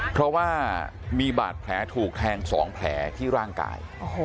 เพราะว่ามีบาดแผลถูกแทง๒แผลที่ร่างกาย